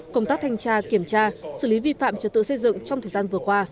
công tác thanh tra kiểm tra xử lý vi phạm trật tự xây dựng trong thời gian vừa qua